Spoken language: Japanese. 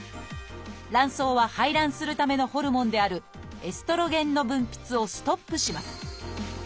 卵巣は排卵するためのホルモンであるエストロゲンの分泌をストップします。